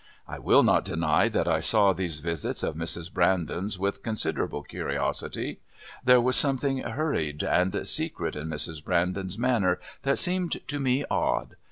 I will not deny that I saw these visits of Mrs. Brandon's with considerable curiosity. There was something hurried and secret in Mrs. Brandon's manner that seemed to me odd.